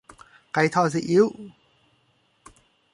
ไก่ทอดซีอิ๊ว